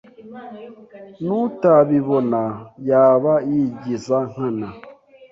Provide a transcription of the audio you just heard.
n’utabibona yaba yigiza nkana.